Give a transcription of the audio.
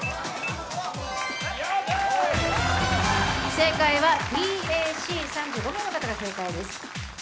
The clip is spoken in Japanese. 正解はＢ、Ａ、Ｃ、３５名の方が正解です。